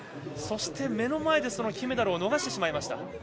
そして、目の前で金メダルを逃してしまいました。